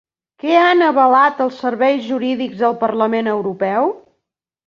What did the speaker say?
Què han avalat els serveis jurídics del Parlament Europeu?